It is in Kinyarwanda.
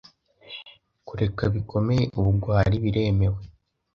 Kureka bikomeye ubugwari biremewe